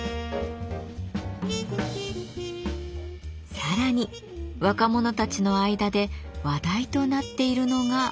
さらに若者たちの間で話題となっているのが。